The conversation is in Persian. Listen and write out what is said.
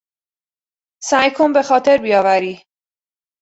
سعی کن به خاطر بیاوری.